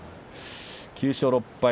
９勝６敗